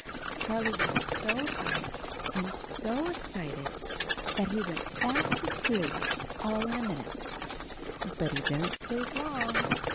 Char lie was so tired and so excited that he went fast asleep all in a minute. But he didn't sleep long.